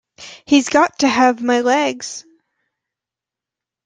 He's got to have my legs.